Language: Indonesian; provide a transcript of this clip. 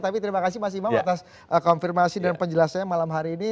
tapi terima kasih mas imam atas konfirmasi dan penjelasannya malam hari ini